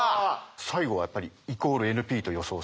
最後はやっぱり＝ＮＰと予想されると。